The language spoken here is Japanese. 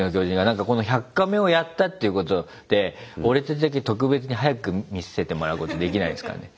この「１００カメ」をやったっていうことで俺たちだけ特別に早く見せてもらうことできないんですかね。